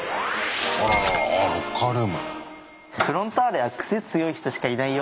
あロッカールーム。